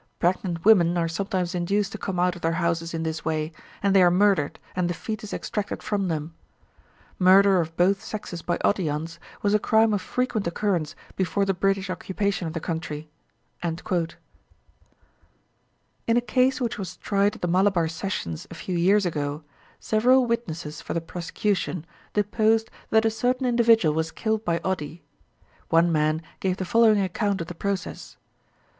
Pregnant women are sometimes induced to come out of their houses in this way, and they are murdered, and the foetus extracted from them. Murder of both sexes by Odiyans was a crime of frequent occurrence before the British occupation of the country." In a case which was tried at the Malabar Sessions a few years ago, several witnesses for the prosecution deposed that a certain individual was killed by odi. One man gave the following account of the process.